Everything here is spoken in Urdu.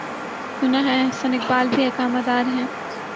سناہے احسن اقبال بھی اقامہ دارہیں۔